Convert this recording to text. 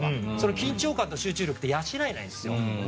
緊張感と集中力って養えないんです。